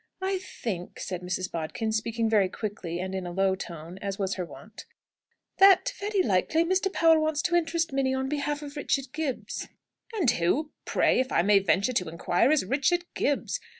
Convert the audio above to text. "I think," said Mrs. Bodkin, speaking very quickly, and in a low tone, as was her wont, "that very likely Mr. Powell wants to interest Minnie on behalf of Richard Gibbs." "And who, pray, if I may venture to inquire, is Richard Gibbs?"